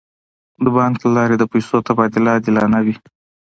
د بانک له لارې د پیسو تبادله عادلانه وي.